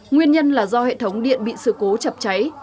nguyên nhân là do hệ thống điện bị sự cố chập cháy